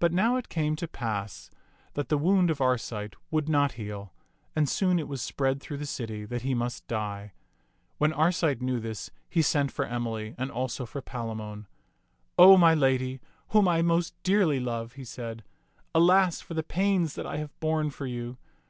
But now it came to pass that the wound of Arcite would not heal, and soon it was spread through the city that he must die. When Arcite knew this, he sent for Emily and also for Palamon. *'0 my lady, whom I most dearly love!" he said, "alas for the pains that I have borne for you!